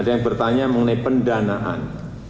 ada yang bertanya mengenai pendanaan